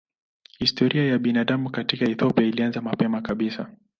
Historia ya binadamu katika Ethiopia ilianza mapema kabisa.